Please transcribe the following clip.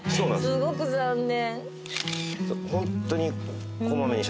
すごく残念。